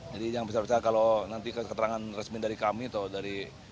jadi jangan besar besarkan kalau nanti keterangan resmi dari kami atau dari